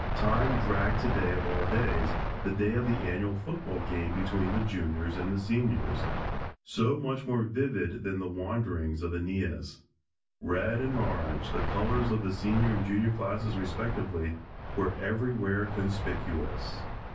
Time dragged today of all days, the day of the annual football game between the Juniors and the Seniors, so much more vivid than the wanderings of Aeneas. Red and orange, the colors of the Senior and Junior classes respectively, were everywhere conspicuous.